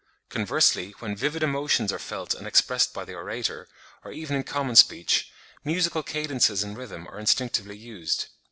Conversely, when vivid emotions are felt and expressed by the orator, or even in common speech, musical cadences and rhythm are instinctively used.